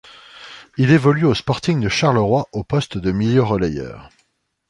Il évolue au Sporting de Charleroi au poste de milieu relayeur.